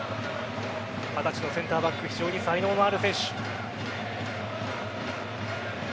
二十歳のセンターバック非常に才能のある選手。